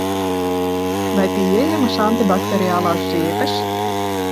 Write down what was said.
Vai pieejamas antibakteriālās ziepes?